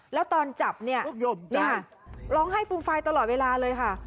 แล้วตอนจับเนี่ยร้องไห้ฟูมฟายตลอดเวลาเลยค่ะ